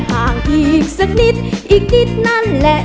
ห่างอีกสักนิดอีกนิดนั่นแหละ